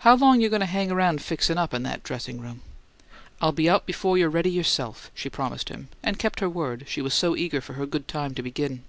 "How long you goin' to hang around fixin' up in that dressin' room?" "I'll be out before you're ready yourself," she promised him; and kept her word, she was so eager for her good time to begin.